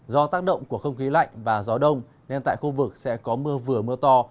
do tác động của không khí lạnh và gió đông nên tại khu vực sẽ có mưa vừa mưa to